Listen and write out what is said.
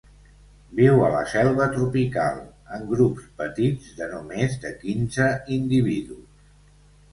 Viu a la selva tropical, en grups petits de no més de quinze individus.